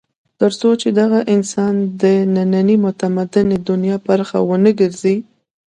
تر څو چې دغه انسان د نننۍ متمدنې دنیا برخه ونه ګرځي.